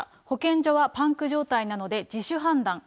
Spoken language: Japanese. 保健所はパンク状態なので、自主判断。